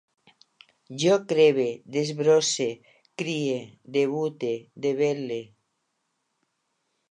Jo crebe, desbrosse, crie, debute, debel·le